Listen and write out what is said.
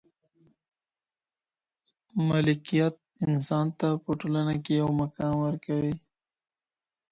ملکیت انسان ته په ټولنه کي یو مقام ورکوي.